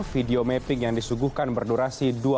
video mapping yang disuguhkan berdurasi